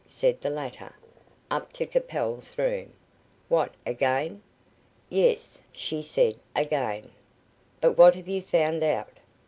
said the latter. "Up to Capel's room." "What, again?" "Yes," she said, "again." "But what have you found out?"